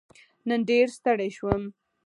نن ډېر ستړی شوم